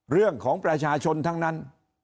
เรื่องของประชาชนทั้งนั้น